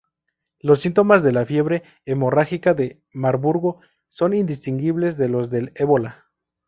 Los síntomas de la fiebre hemorrágica de Marburgo son indistinguibles de los del Ébola.